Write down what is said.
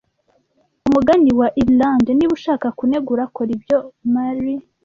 Umugani wa Irlande - Niba ushaka kunegura kora ibyo Marry